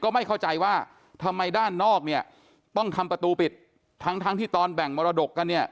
ไม่เข้าใจว่าทำไมด้านนอกเนี่ยต้องทำประตูปิดทั้งทั้งที่ตอนแบ่งมรดกกันเนี่ย